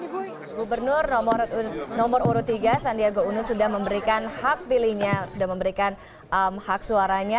buber nur nomor urut tiga sandiago unus sudah memberikan hak pilihnya sudah memberikan hak suaranya